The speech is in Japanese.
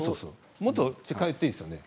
もっと近寄ってもいいですね。